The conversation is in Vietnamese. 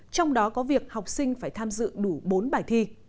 trong đó có việc học sinh phải tham dự đủ bốn bài thi